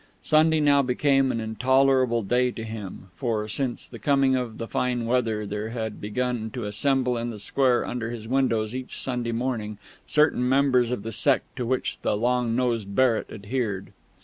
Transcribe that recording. Sunday now became an intolerable day to him, for, since the coming of the fine weather, there had begun to assemble in the square under his windows each Sunday morning certain members of the sect to which the long nosed Barrett adhered.